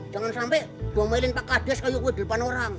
jangan sampai jumelin pak kadas di depan orang